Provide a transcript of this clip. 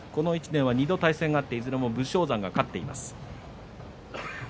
２度対戦があっていずれも武将山が勝っています。